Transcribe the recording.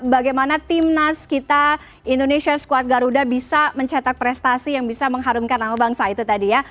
bagaimana timnas kita indonesia squad garuda bisa mencetak prestasi yang bisa mengharumkan nama bangsa itu tadi ya